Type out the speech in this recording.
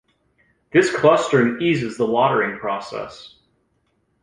This clustering eases the lautering process.